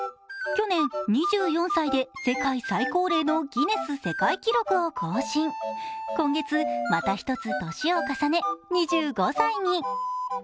去年、２４歳で世界最高齢のギネス世界記録を更新、今月、また１つ年を重ね、２５歳に。